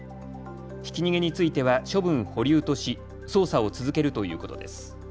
ひき逃げについては処分保留とし捜査を続けるということです。